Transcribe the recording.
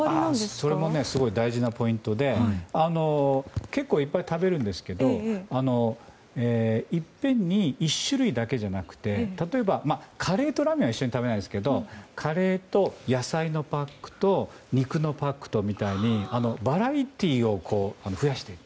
それもすごい大事なポイントで結構いっぱい食べるんですけどいっぺんに１種類だけじゃなくて例えばカレーとラーメンは一緒に食べないですけどカレーと野菜のパックと肉のパックとみたいにバラエティーを増やしていく。